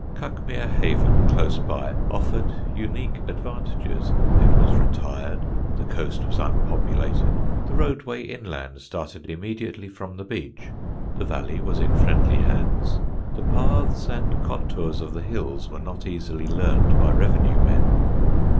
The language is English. Cuckmere Haven, close by, offered unique advantages: it was retired, the coast was unpopulated, the roadway inland started immediately from the beach, the valley was in friendly hands, the paths and contours of the hills were not easily learned by revenue men.